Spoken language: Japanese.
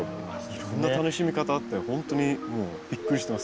いろんな楽しみ方あってほんとにもうびっくりしてます。